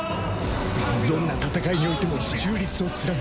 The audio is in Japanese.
どんな戦いにおいても中立を貫く。